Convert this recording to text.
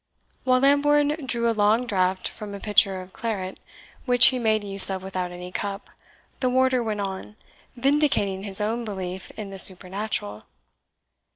While Lambourne drew a long draught from a pitcher of claret, which he made use of without any cup, the warder went on, vindicating his own belief in the supernatural.